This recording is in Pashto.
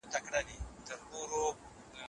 د سياست پوهني علم بايد د عمل سره مل وي.